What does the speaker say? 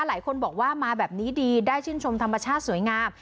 หลายคนบอกว่ามาแบบนี้ดีได้ชื่นชมธรรมชาติสวยงาม